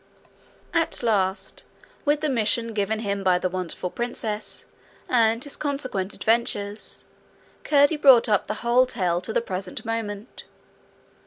At last, with the mission given him by the wonderful princess and his consequent adventures, Curdie brought up the whole tale to the present moment.